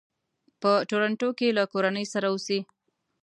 په ټورنټو کې له کورنۍ سره اوسي.